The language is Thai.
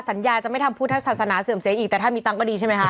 สัญญาจะไม่ทำพุทธศาสนาเสื่อมเสียอีกแต่ถ้ามีตังค์ก็ดีใช่ไหมคะ